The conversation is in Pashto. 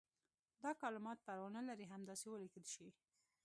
دا کلمات پروا نه لري همداسې ولیکل شي.